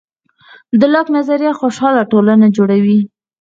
د لاک نظریه خوشحاله ټولنه جوړوي.